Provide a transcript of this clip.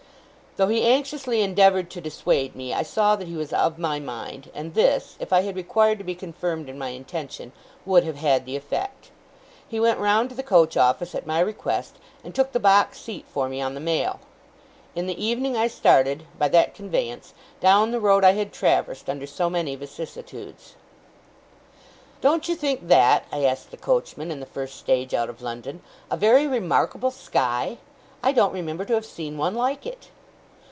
Though he anxiously endeavoured to dissuade me, I saw that he was of my mind; and this, if I had required to be confirmed in my intention, would have had the effect. He went round to the coach office, at my request, and took the box seat for me on the mail. In the evening I started, by that conveyance, down the road I had traversed under so many vicissitudes. 'Don't you think that,' I asked the coachman, in the first stage out of London, 'a very remarkable sky? I don't remember to have seen one like it.